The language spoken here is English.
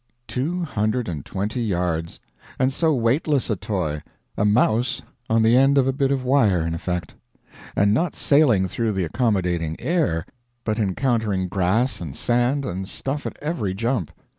Two hundred and twenty yards; and so weightless a toy a mouse on the end of a bit of wire, in effect; and not sailing through the accommodating air, but encountering grass and sand and stuff at every jump.